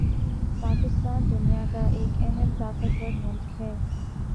پاکستان دنیا کا ایک اہم طاقتور ملک ہے